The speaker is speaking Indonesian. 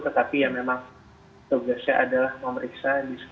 tetapi ya memang tugas saya adalah memberikan penyakit tersebut